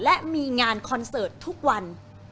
และมีงานคอนเสิร์ตทุกวัน